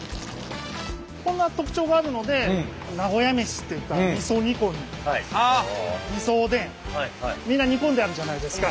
そんな特徴があるので名古屋めしといったらみんな煮込んであるじゃないですか。